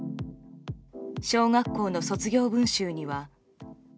小学校の卒業文集には。